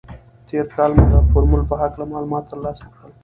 تېر کال مو د فورمول په هکله معلومات تر لاسه کړل.